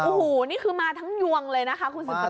โอ้โหนี่คือมาทั้งยวงเลยนะครับคุณสิทธิ์ประกูล